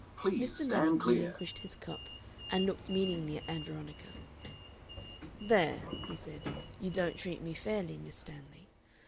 Mr. Manning relinquished his cup, and looked meaningly at Ann Veronica. "There," he said, "you don't treat me fairly, Miss Stanley.